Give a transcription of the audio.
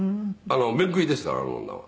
面食いですからあの女は」